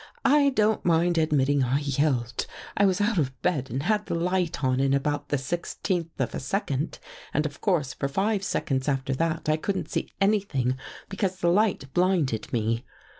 " I don't mind admitting I yelled. I was out of bed and had the light on in about the sixteenth of a second and of course for five seconds after that I couldn't see anything because the light blinded me.